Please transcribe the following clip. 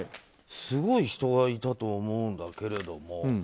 すごい人がいたと思うんだけれども。